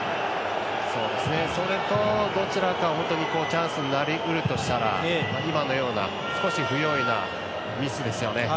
それと、どちらかが本当にチャンスになりうるとしたら今のような少し不用意なミスですよね。